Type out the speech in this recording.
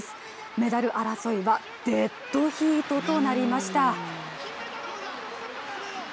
メダル争いはデッドヒートとなりました。